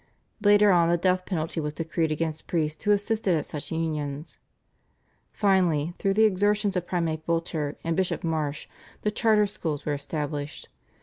Later on the death penalty was decreed against priests who assisted at such unions. Finally, through the exertions of Primate Boulter and Bishop Marsh, the Charter Schools were established.